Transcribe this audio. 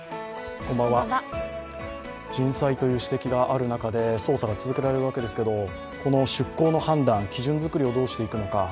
人災という指摘がある中で捜査が続けられるわけですけどこの出航の判断、基準作りをどうしていくのか。